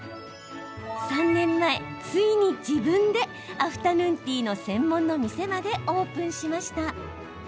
３年前、ついに自分でアフタヌーンティー専門の店までオープンしました。